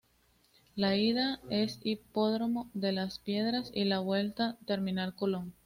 La ida es Hipódromo De Las Piedras y la vuelta Terminal Colón.